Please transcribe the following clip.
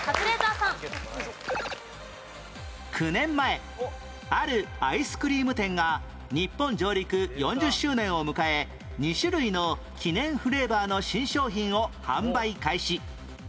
９年前あるアイスクリーム店が日本上陸４０周年を迎え２種類の記念フレーバーの新商品を販売開始